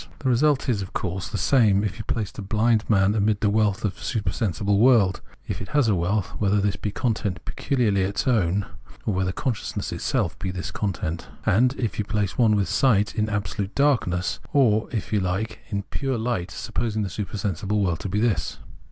The result is, of course, the same if you place a bhnd man amid the wealth of the supersensible world (if it has a wealth, whether this be a content peculiarly its own, or whether consciousness itself be this content), and if you place one with sight in absolute darkness, or, if you like, in pure light, supposing the supersensible world to be this.